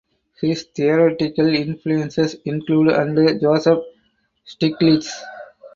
His theoretical influences include and Joseph Stiglitz.